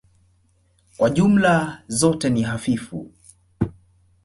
Kwa jumla zote ni hafifu.